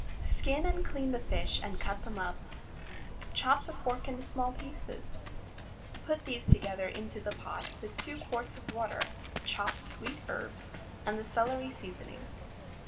Skin and clean the fish and cut them up. Chop the pork into small pieces. Put these together into the pot, with two quarts of water, chopped sweet herbs, and the celery seasoning.